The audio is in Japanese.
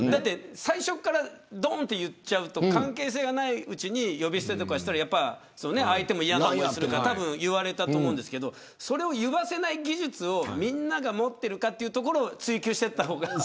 最初からどーんというと関係性がないうちに呼び捨てしたら相手も嫌な思いするからたぶん言われたと思うんですけどそれを言わせない技術をみんなが持っているかというのを追及していった方が。